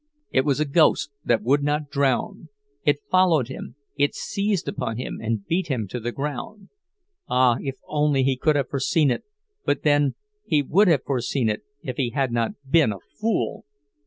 It was a ghost that would not drown; it followed him, it seized upon him and beat him to the ground. Ah, if only he could have foreseen it—but then, he would have foreseen it, if he had not been a fool!